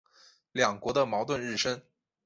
两国的矛盾日深。